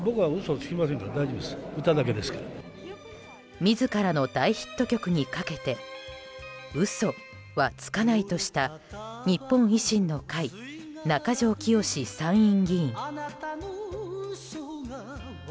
自らの大ヒット曲にかけて「うそ」はつかないとした日本維新の会中条きよし参院議員。